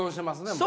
もう。